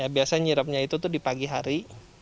biasanya nyirepnya itu di pagi hari